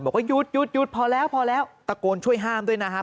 บอกว่าหยุดพอแล้วตะโกนช่วยห้ามด้วยนะครับ